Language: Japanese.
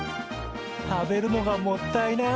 食べるのがもったいない。